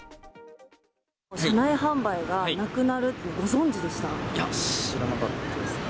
車内販売がなくなるってご存いや、知らなかったですね。